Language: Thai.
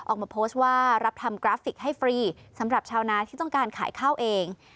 ออกมาโพสต์ว่ารับทำกราฟิกให้ฟรีสำหรับชาวนาที่ต้องการขายข้าวเอง